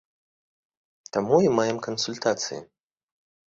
Таму і маем кансультацыі.